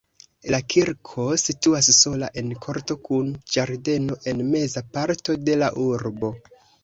La kirko situas sola en korto kun ĝardeno en meza parto de la urbo.